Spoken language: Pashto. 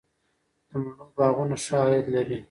د مڼو باغونه ښه عاید لري؟